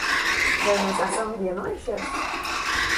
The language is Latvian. Vai mēs esam vienojušies?